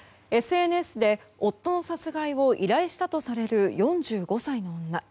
ＳＮＳで夫の殺害を依頼したとされる４５歳の女。